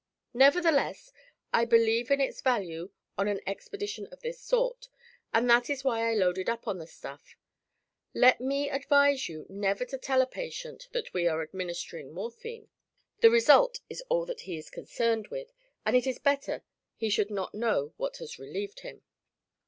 Nevertheless, I believe in its value on an expedition of this sort, and that is why I loaded up on the stuff. Let me advise you never to tell a patient that we are administering morphine. The result is all that he is concerned with and it is better he should not know what has relieved him."